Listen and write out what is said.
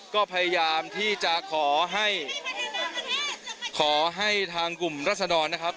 ก็พยายามที่จะขอให้ขอให้ทางกลุ่มรัศดรนะครับ